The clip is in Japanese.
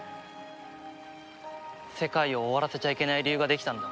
世界を終わらせちゃいけない理由ができたんだ。